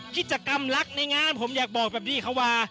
กิจกรรมรักในงานผมอยากบอกแบบนี้เขาว่า